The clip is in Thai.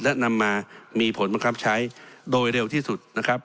และนำมามีผลบังคับใช้โดยเร็วที่สุดนะครับ